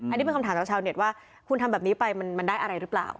อันนี้เป็นคำถามจากชาวเน็ตว่าคุณทำแบบนี้ไปมันได้อะไรหรือเปล่า